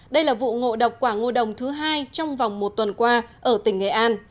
đây là vụ ngộ độc quả ngộ đồng thứ hai trong vòng một tuần qua ở tỉnh nghệ an